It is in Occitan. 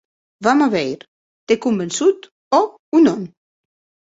Vam a veir, t’é convençut, òc o non?